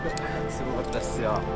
すごかったっすよ。